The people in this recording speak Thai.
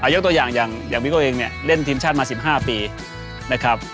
ยกตัวอย่างอย่างพี่โก้เองเนี่ยเล่นทีมชาติมา๑๕ปีนะครับ